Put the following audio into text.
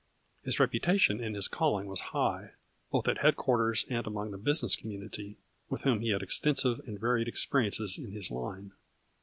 His rep utation in his calling was high, both at head quarters and among the business community, with whom he had extensive and varied expe riences in his line.